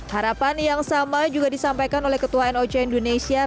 harapan yang sama juga disampaikan oleh ketua noc indonesia